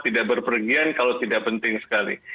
tidak berpergian kalau tidak penting sekali